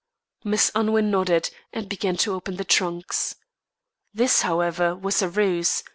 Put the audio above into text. Miss Unwin nodded, and began to open the trunks. This, however, was a ruse.